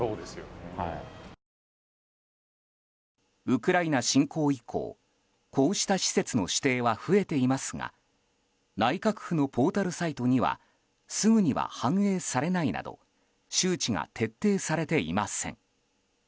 ウクライナ侵攻以降こうした施設の指定は増えていますが内閣府のポータルサイトにはすぐには反映されないなど周知が徹底されていません。